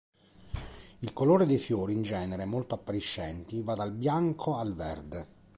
Il colore dei fiori, in genere molto appariscenti, va dal bianco al verde.